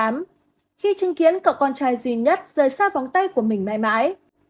khi chứng kiến cậu con trai duy nhất rời xa vòng tay của mình mãi mãi